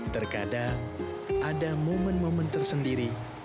terkadang ada momen momen tersendiri